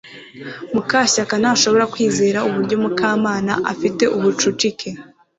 Mukashyaka ntashobora kwizera uburyo Mukamana afite ubucucike